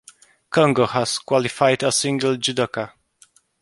Congo has qualified a single judoka.